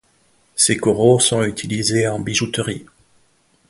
Ces coraux sont utilisés en bijouterie.